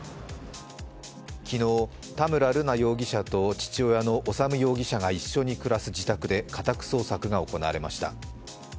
昨日、田村瑠奈容疑者と父親の修容疑者が一緒に暮らす自宅で家宅捜索が行われました。